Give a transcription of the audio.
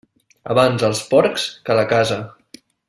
Abans els porcs que la casa.